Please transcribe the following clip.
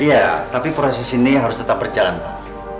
iya tapi proses ini harus tetap berjalan pak